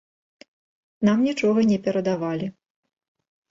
Нам нічога не перадавалі.